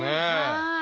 はい！